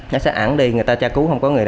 nó sẽ ảnh đi người ta tra cứu không có người